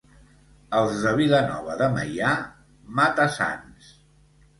Els de Vilanova de Meià, mata-sans.